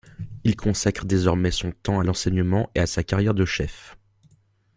Il consacre désormais son temps à l'enseignement et à sa carrière de chef.